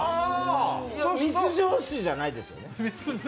密造酒じゃないですよね。